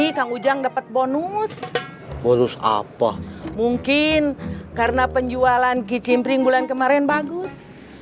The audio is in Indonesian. kang ujang dapat bonus bonus apa mungkin karena penjualan kicimpring bulan kemarin bagus